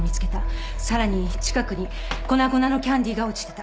さらに近くに粉々のキャンディーが落ちてた。